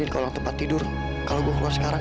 dimanapun kamu berada sekarang